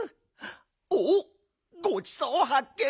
おっごちそうはっけん。